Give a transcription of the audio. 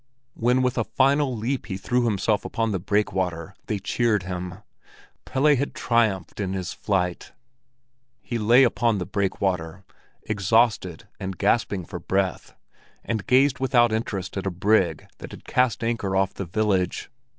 When with a final leap he threw himself upon the breakwater, they cheered him. Pelle had triumphed in his flight! He lay upon the breakwater, exhausted and gasping for breath, and gazed without interest at a brig that had cast anchor off the village.